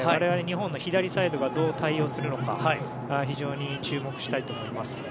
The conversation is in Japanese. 我々、日本の左サイドがどう対応するのか非常に注目したいと思います。